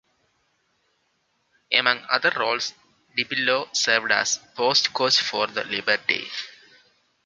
Among other roles, DiPillo served as post coach for the Liberty.